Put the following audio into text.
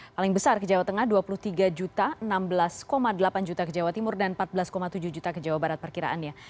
paling besar ke jawa tengah dua puluh tiga enam belas delapan juta ke jawa timur dan empat belas tujuh juta ke jawa barat perkiraannya